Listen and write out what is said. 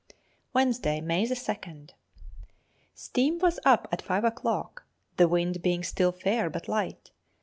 _ Wednesday, May 2nd. Steam was up at five o'clock, the wind being still fair but light.